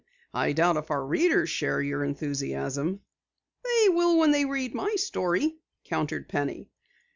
I doubt if our readers share your enthusiasm." "They will when they read my story," countered Penny.